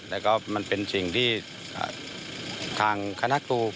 แล้วก็มันเป็นสิ่งที่ทางคณะครู